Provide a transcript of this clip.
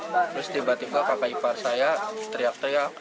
terus tiba tiba kakak ipar saya teriak teriak